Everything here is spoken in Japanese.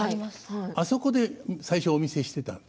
あそこで最初お見せしていたの。